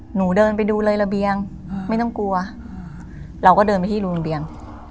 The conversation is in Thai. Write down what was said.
หนูเดินไปดูเลยระเบียงไม่ต้องกลัวเราก็เดินไปที่รูระเบียง